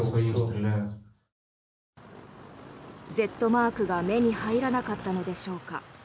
「Ｚ」マークが目に入らなかったのでしょうか。